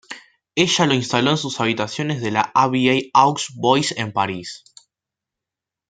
Ella lo instaló en sus habitaciones de la Abbaye-aux-Bois, en París.